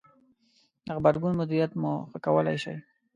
-د غبرګون مدیریت مو ښه کولای ش ئ